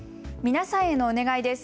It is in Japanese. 皆さんへのお願いです。